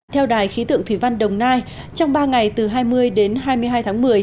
theo đài khí tượng thủy văn đồng nai trong ba ngày từ hai mươi đến hai mươi hai tháng một mươi